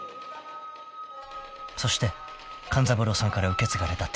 ［そして勘三郎さんから受け継がれた手獅子］